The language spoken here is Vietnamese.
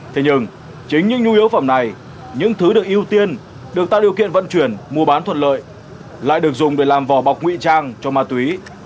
thế nhưng chính những nhu yếu phẩm này những thứ được ưu tiên được tạo điều kiện vận chuyển mua bán thuận lợi lại được dùng để làm vỏ bọc nguy trang cho ma túy